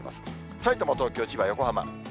さいたま、東京、千葉、横浜。